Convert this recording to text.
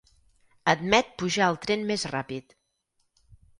Admet pujar al tren més ràpid.